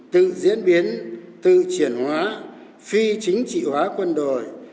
tự diễn biến tự chuyển hóa phi chính trị hóa quân đội